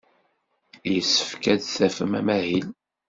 Yessefk ad d-tafem amahil.